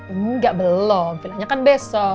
enggak belum finalnya kan besok